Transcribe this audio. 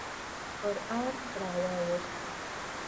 پر اړخ راواوښت.